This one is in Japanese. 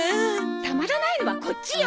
たまらないのはこっちよ！